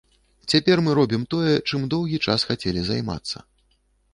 Цяпер мы робім тое, чым доўгі час хацелі займацца.